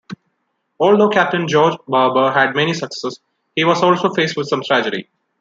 Although Captain George Barbour had many successes, he was also faced with some tragedy.